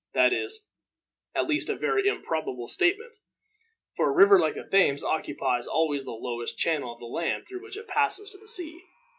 This is, at least, a very improbable statement, for a river like the Thames occupies always the lowest channel of the land through which it passes to the sea.